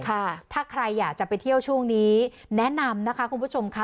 ค่ะถ้าใครอยากจะไปเที่ยวช่วงนี้แนะนำนะคะคุณผู้ชมค่ะ